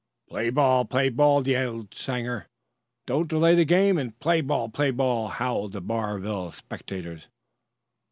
"Play ball! play ball!" yelled Sanger. "Don't delay the game!" And, "Play ball! play ball!" howled the Barville spectators.